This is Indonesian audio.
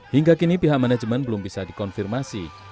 hingga kini pihak manajemen belum bisa dikonfirmasi